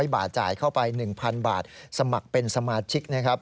๐บาทจ่ายเข้าไป๑๐๐๐บาทสมัครเป็นสมาชิกนะครับ